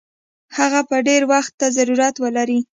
هغه به ډېر وخت ته ضرورت ولري.